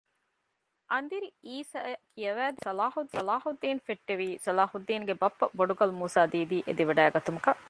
އަނދިރި އީސައަށް ކިޔަވައިދެއްވަން ޞަލާޙުއްދީނު ފެއްޓެވީ ޞަލާހުއްދީނުގެ ބައްޕަ ބޮޑުގަލު މޫސާ ދީދީގެ އެދިވަޑައިގަތުމަކަށް